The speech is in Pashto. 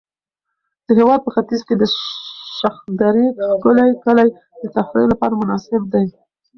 د هېواد په ختیځ کې د شخدرې ښکلي کلي د تفریح لپاره مناسب دي.